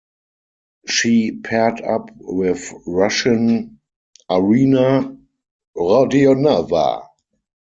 She paired-up with Russian Arina Rodionova.